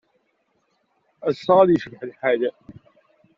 Ass-a ad yecbeḥ lḥal.